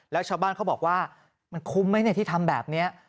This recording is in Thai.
แล้วชาวบ้านเขาบอกว่ามันคุ้มไหมที่ทำแบบนี้